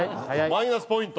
マイナスポイント。